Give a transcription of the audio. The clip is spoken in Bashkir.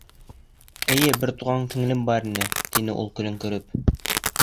— Эйе, бер туған һеңлем бар ине. — тине ул көлөңкөрәп.